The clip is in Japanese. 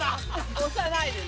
押さないでね。